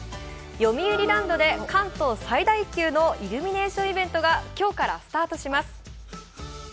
よみうりランドで関東最大級のイルミネーションが今日からスタートします。